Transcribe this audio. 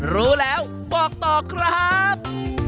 รู้แล้วบอกต่อครับ